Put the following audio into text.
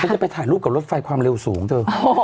จะไปถ่ายรูปกับรถไฟความเร็วสูงเธอ